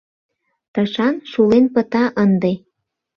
Тышан шулен пыта ынде